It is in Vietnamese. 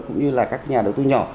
cũng như là các nhà đầu tư nhỏ